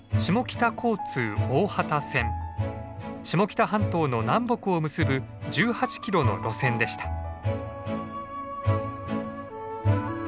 下北半島の南北を結ぶ１８キロの路線でした。